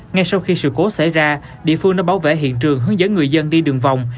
ngay sau khi sự cố xảy ra địa phương đã bảo vệ hiện trường hướng dẫn người dân đi đường vòng